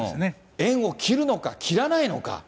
縁を切るのか、切らないのか。